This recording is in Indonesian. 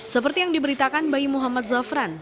seperti yang diberitakan bayi muhammad zafran